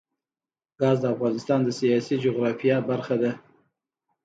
ګاز د افغانستان د سیاسي جغرافیه برخه ده.